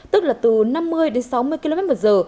tức là từ năm mươi sáu mươi km